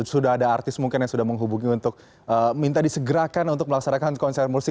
sudah ada artis mungkin yang sudah menghubungi untuk minta disegerakan untuk melaksanakan konser musik